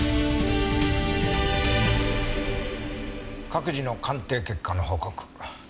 各自の鑑定結果の報告。